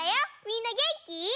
みんなげんき？